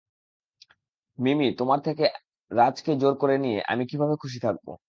মিমি, তোমার থেকে রাজ-কে জোর করে নিয়ে, আমি কিভাবে খুশী থাকবো।